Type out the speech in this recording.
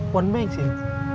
pond bank sih